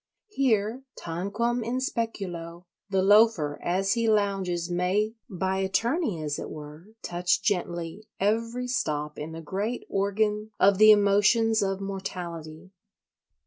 Here, tanquam in speculo, the Loafer as he lounges may, by attorney as it were, touch gently every stop in the great organ of the emotions of mortality.